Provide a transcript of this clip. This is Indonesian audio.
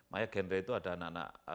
makanya genre itu ada anak anak